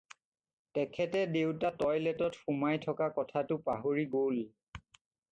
তেখেতে দেউতা টইলেটত সোমাই থকা কথাটো পাহৰি গ'ল।